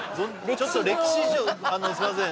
ちょっと歴史上すいません